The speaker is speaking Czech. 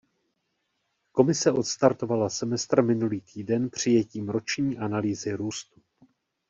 Komise odstartovala semestr minulý týden přijetím roční analýzy růstu.